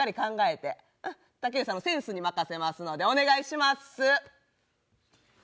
うん竹内さんのセンスに任せますのでお願いします。